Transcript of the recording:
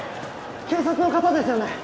警察の方ですよね？